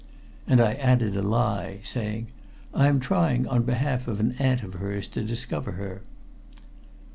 And I added a lie, saying: "I am trying, on behalf of an aunt of hers, to discover her."